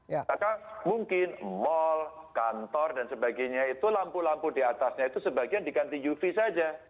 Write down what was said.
maka mungkin mal kantor dan sebagainya itu lampu lampu di atasnya itu sebagian diganti uv saja